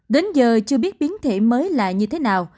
đến giờ chưa biết biến thể mới là như thế nào